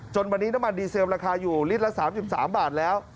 วันนี้น้ำมันดีเซลราคาอยู่ลิตรละ๓๓บาทแล้ว